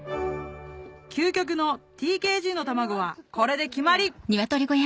究極のＴＫＧの卵はこれで決まり！